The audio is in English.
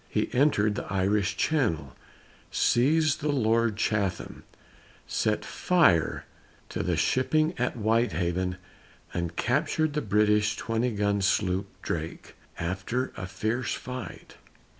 He entered the Irish Channel, seized the Lord Chatham, set fire to the shipping at Whitehaven, and captured the British 20 gun sloop Drake, after a fierce fight.